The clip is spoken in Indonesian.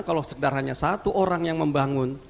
kalau sekedar hanya satu orang yang membangun